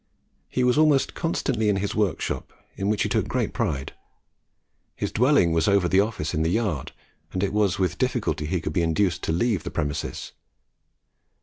He was almost constantly in his workshop, in which he took great pride. His dwelling was over the office in the yard, and it was with difficulty he could be induced to leave the premises.